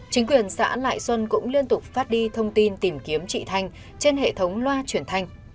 chính quyền xã lại xuân cũng liên tục phát đi thông tin tìm kiếm chị thanh trên hệ thống loa chuyển thanh